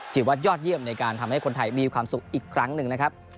ยอดเยี่ยมในการทำให้คนไทยมีความสุขอีกครั้งหนึ่งนะครับ